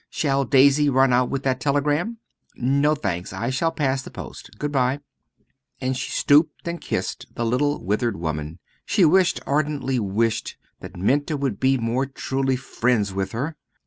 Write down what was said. "Shall Daisy run out with that telegram?" "No, thanks. I shall pass the post. Good bye." And she stooped and kissed the little withered woman. She wished, ardently wished, that Minta would be more truly friends with her!